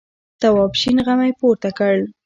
تواب شین غمی پورته کړ.